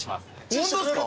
ホントですか？